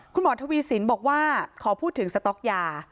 คุณหมอทวีสินบอกว่าขอพูดถึงสต๊อกยา